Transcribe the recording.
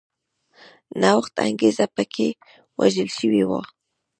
نوښت انګېزه په کې وژل شوې وه